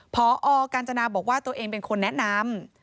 พอกาญจนาบอกว่าตัวเองเป็นคนแนะนำ